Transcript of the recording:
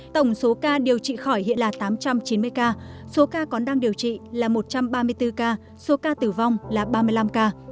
tổng số ca điều trị khỏi hiện là tám trăm chín mươi ca số ca còn đang điều trị là một trăm ba mươi bốn ca số ca tử vong là ba mươi năm ca